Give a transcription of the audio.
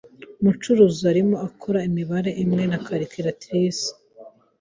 Umucuruzi arimo akora imibare imwe na calculatrice.